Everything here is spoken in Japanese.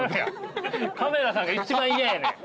カメラさんが一番嫌やねん。